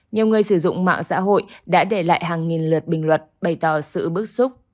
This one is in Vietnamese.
nhiều người sử dụng mạng xã hội đã để lại hàng nghìn lượt bình luận bày tỏ sự bức xúc